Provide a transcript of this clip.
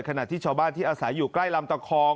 ขณะที่ชาวบ้านที่อาศัยอยู่ใกล้ลำตะคอง